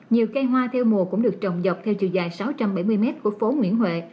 nhiều cây hoa theo mùa cũng được trồng dọc theo chiều dài sáu trăm bảy mươi m của phố nguyễn huệ